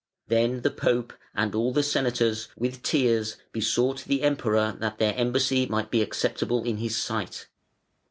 Then the Pope and all the Senators with tears besought the Emperor that their embassy might be acceptable in his sight.